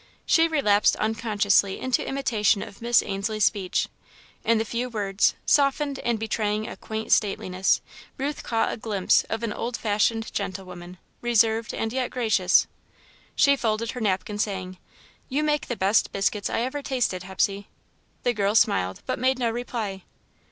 She relapsed unconsciously into imitation of Miss Ainslie's speech. In the few words, softened, and betraying a quaint stateliness, Ruth caught a glimpse of an old fashioned gentlewoman, reserved and yet gracious. She folded her napkin, saying: "You make the best biscuits I ever tasted, Hepsey." The girl smiled, but made no reply.